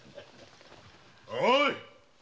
おい！